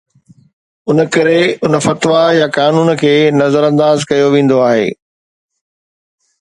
ان ڪري ان فتويٰ يا قانون کي نظرانداز ڪيو ويندو آهي